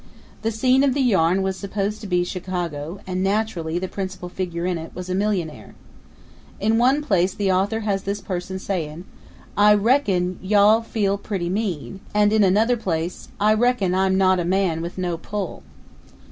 The scene of the yarn was supposed to be Chicago and naturally the principal figure in it was a millionaire. In one place the author has this person saying, "I reckon you'll feel pretty mean," and in another place, "I reckon I'm not a man with no pull."